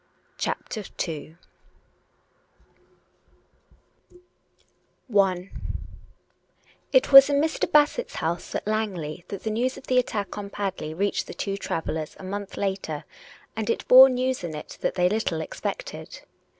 CHAPTER II It was in Mr. Basseti's house at Langley that the news of the attack on Padley reached the two travellers a month later, and it bore news in it that they little expected.